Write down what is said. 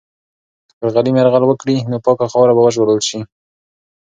که پر غلیم یرغل وکړي، نو پاکه خاوره به وژغورل سي.